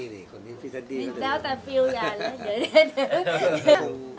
มันเดี๋ยวแต่ปลิวอย่างน้อย